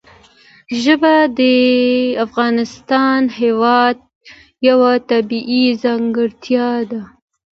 ژبې د افغانستان هېواد یوه طبیعي ځانګړتیا ده.